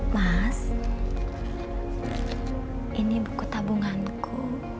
mas ini buku tabunganku